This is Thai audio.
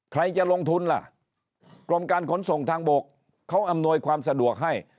ใครจะลงทุนล่ะกรมการขนส่งทางบกเขาอำนวยความสะดวกให้